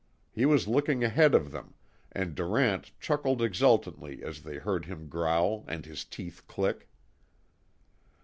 He was looking ahead of them, and Durant chuckled exultantly as they heard him growl, and his teeth click.